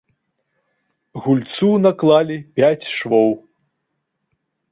Гульцу наклалі пяць швоў.